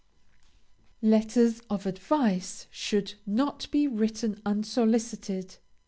LETTERS OF ADVICE should not be written unsolicited.